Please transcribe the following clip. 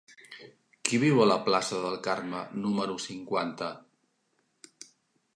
Qui viu a la plaça del Carme número cinquanta?